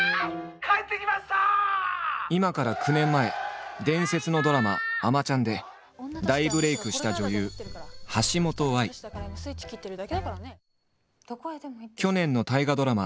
今から９年前伝説のドラマ「あまちゃん」で大ブレークした去年の大河ドラマ